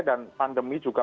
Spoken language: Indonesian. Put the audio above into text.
dan pandemi juga